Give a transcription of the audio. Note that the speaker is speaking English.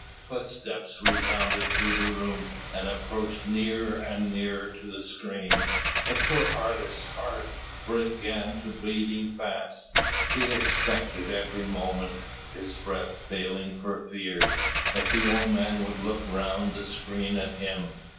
Footsteps resounded through the room, and approached nearer and nearer to the screen. The poor artist's heart began beating fast. He expected every moment, his breath failing for fear, that the old man would look round the screen at him.